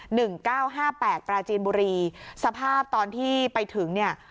หนึ่งเก้าห้าแปดปราจีนบุรีสภาพตอนที่ไปถึงเนี่ย